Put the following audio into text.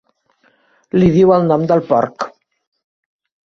Li diu el nom del porc.